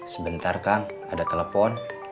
sebentar kang ada telepon